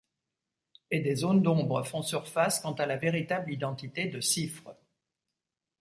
Et des zones d'ombre font surface quant à la véritable identité de Sifr.